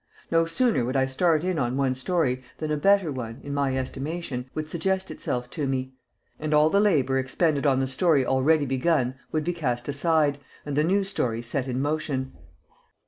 No sooner would I start in on one story than a better one, in my estimation, would suggest itself to me; and all the labor expended on the story already begun would be cast aside, and the new story set in motion.